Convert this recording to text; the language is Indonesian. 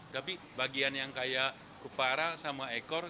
tapi bagian yang kayak kupara sama ekor